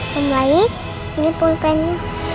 dan baik ini polpennya